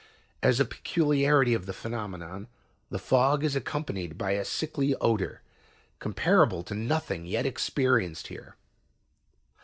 "As a peculiarity of the phenomenon, the fog is accompanied by a sickly odor, comparable to nothing yet experienced here."